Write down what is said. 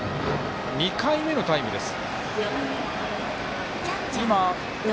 ２回目のタイムです。